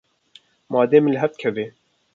Madê min li hev dikeve.